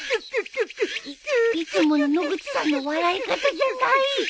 いつもの野口さんの笑い方じゃない。